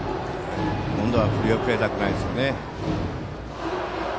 今度は振り遅れたくないですね。